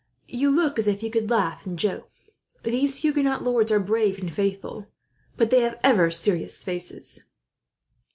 "You look as if you could laugh and joke. These Huguenot lords are brave and faithful, but they have ever serious faces."